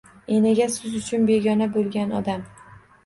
Enaga – siz uchun begona bo‘lgan odam.